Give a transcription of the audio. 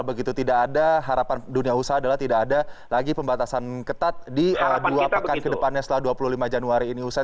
begitu tidak ada harapan dunia usaha adalah tidak ada lagi pembatasan ketat di dua pekan ke depannya setelah dua puluh lima januari ini usai